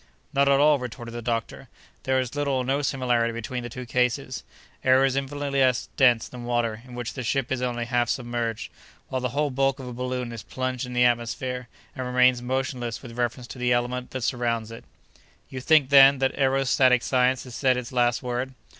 "Not at all," retorted the doctor, "there is little or no similarity between the two cases. Air is infinitely less dense than water, in which the ship is only half submerged, while the whole bulk of a balloon is plunged in the atmosphere, and remains motionless with reference to the element that surrounds it." "You think, then, that aerostatic science has said its last word?"